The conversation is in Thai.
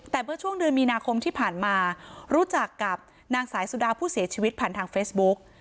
แต่เมื่อช่วงเดือนมีนาคมที่ผ่านมารู้จักกับนางสายสุดาผู้เสียชีวิตผ่านทางเฟซบุ๊ก